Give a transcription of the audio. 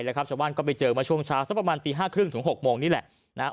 ชาวบ้านก็ไปเจอมาช่วงเช้าสักประมาณตี๕๓๐ถึง๖โมงนี่แหละ